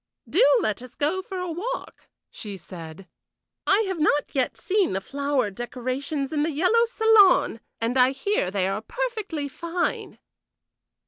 "Do let us go for a walk," she said. "I have not yet seen the flower decorations in the yellow salon, and I hear they are particularly fine."